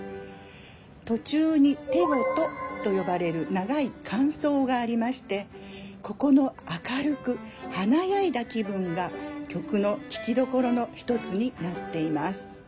途中に手事と呼ばれる長い間奏がありましてここの明るく華やいだ気分が曲の聴きどころの一つになっています。